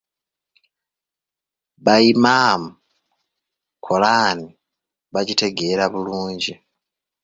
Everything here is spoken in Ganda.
Bayimaamu Kolaani bagitegeera bulungi.